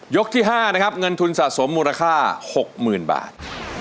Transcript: ที่๕นะครับเงินทุนสะสมมูลค่า๖๐๐๐บาท